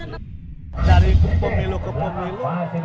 dari pemilu ke pemilu